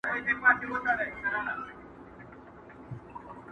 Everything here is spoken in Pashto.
او ذهنونه بوخت ساتي ډېر ژر،